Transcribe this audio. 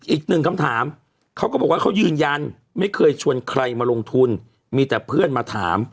อีกหนึ่งคำถามเขาก็บอกว่าเขายืนยันไม่เคยชวนใครมาลงทุนมีแต่เพื่อนมาถาม